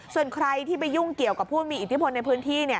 ส่วนใครที่ไปยุ่งเกี่ยวกับผู้มีอิทธิพลในพื้นที่